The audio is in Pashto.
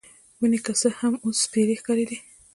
ونې که څه هم، اوس سپیرې ښکارېدې.